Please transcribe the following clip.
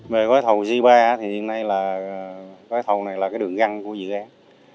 về gói thầu g ba thì hiện nay là gói thầu này là cái đường găng của dự án